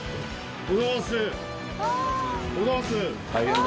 おはようございます。